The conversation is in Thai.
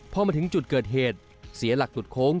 พอมาถึงจุดเกิดเหตุเสียหลักหลุดโค้ง